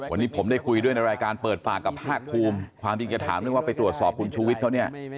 วันนี้ผมได้คุยด้วยในรายการเปิดปากกับภาคภูมิความจริงจะถามเรื่องว่าไปตรวจสอบคุณชูวิทย์เขาเนี่ย